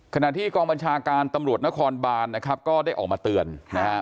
ขณะที่กองบัญชาการตำรวจนครบานนะครับก็ได้ออกมาเตือนนะครับ